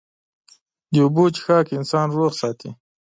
د اوبو څښاک انسان روغ ساتي.